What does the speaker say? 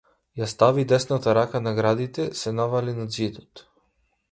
Ја стави десната рака на градите се навали на ѕидот.